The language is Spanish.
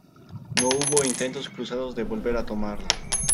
No hubo intentos cruzados de volver a tomarla.